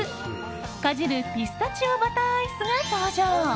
かじるピスタチオバターアイスが登場！